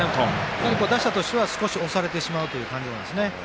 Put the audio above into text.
やはり、打者としては少し押されてしまうという感じですね。